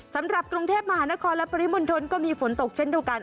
สำหรับกรุงเทพมหานครและปริมณฑลก็มีฝนตกเช่นเดียวกัน